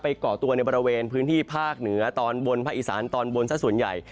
ก่อตัวในบริเวณพื้นที่ภาคเหนือตอนบนภาคอีสานตอนบนซะส่วนใหญ่